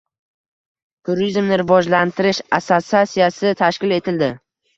“Turizmni rivojlantirish” assotsiatsiyasi tashkil etildi